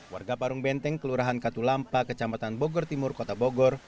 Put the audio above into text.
warga parung benteng kelurahan katulampa kecamatan bogor timur kota bogor